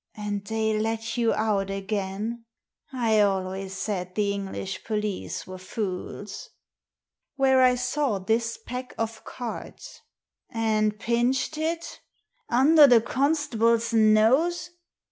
" And they let you out again ? I always said the English police were fools." "Where I saw this pack of cards." "And pinched it? Under the constable's nose.